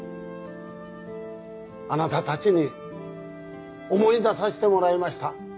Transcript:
あなたたちに思い出させてもらいました。